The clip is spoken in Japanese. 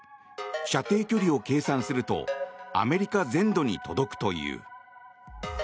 射程距離を計算するとアメリカ全土に届くという。